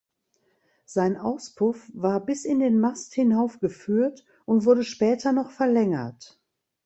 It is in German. Sein Auspuff war bis in den Mast hinauf geführt und wurde später noch verlängert.